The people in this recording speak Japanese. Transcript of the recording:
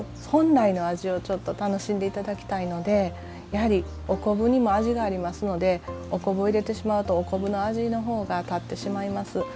本来の味をちょっと楽しんで頂きたいのでやはりお昆布にも味がありますのでお昆布を入れてしまうとお昆布の味の方が立ってしまいます。